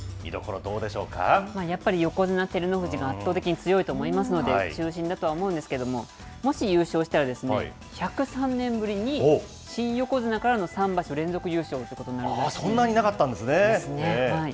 やっぱり横綱・照ノ富士が圧倒的に強いと思いますので、中心だとは思うんですけれども、もし優勝したら、１０３年ぶりに新横綱からの３場所連続優勝というこそんなになかったんですね。